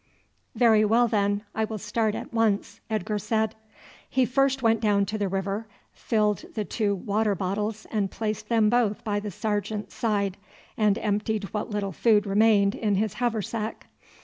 "Very well, then, I will start at once," Edgar said. He first went down to the river, filled the two water bottles and placed them both by the sergeant's side, and emptied what little food remained in his haversack.